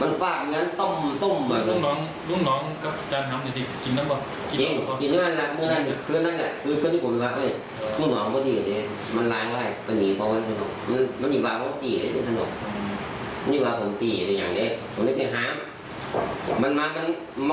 มันมากขอบมาหัวมันตีเหมือนกับตรงเพราะพวกมันฟังแล้วเลย